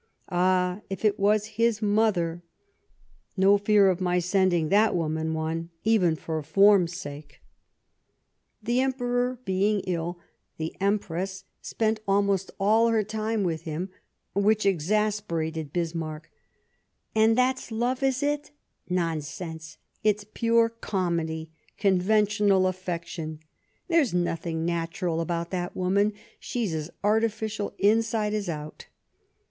Ah ! if it was his mother ! No fear of my sending that woman one — even for form's sake." 217 Bismarck The Emperor being ill, the Empress spent almost all her time with him, which exasperated Bismarck. " And that's love, is it ? Nonsense ! It's pure comedy — conventional affection. There's nothing natural about that woman ; she's as artificial inside as out."